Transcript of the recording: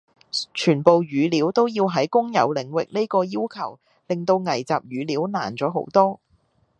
全部語料都要喺公有領域呢個要求令到蒐集語料難咗好多。